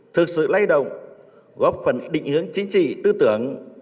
thực sự lay động góp phần định hướng chính trị tư tưởng